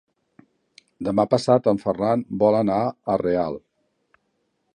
Demà passat en Ferran vol anar a Real.